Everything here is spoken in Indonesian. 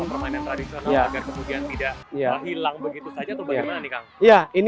permainan tradisional agar kemudian tidak hilang begitu saja atau bagaimana nih kang ya ini